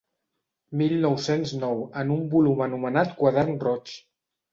Mil nou-cents nou en un volum anomenat Quadern roig.